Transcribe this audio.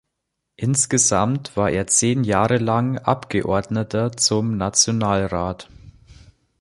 Insgesamt war er zehn Jahre lang Abgeordneter zum Nationalrat.